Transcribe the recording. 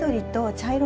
茶色！